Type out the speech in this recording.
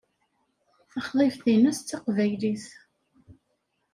Taxḍibt-nnes d taqbaylit.